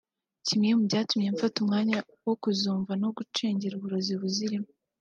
Kimwe mu byatumye mfata umwanya wo kuzumva no gucengera uburozi buzirimo